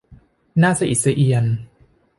น่าสะอิดสะเอียน